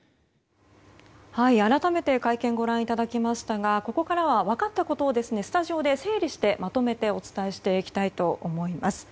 改めて、会見をご覧いただきましたがここからは分かったことをスタジオで整理してまとめてお伝えしてきたいと思います。